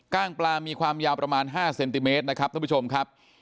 ้างปลามีความยาวประมาณ๕เซนติเมตรนะครับท่านผู้ชมครับ